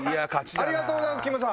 ありがとうございますきむさん。